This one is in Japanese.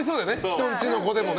人んちの子もね。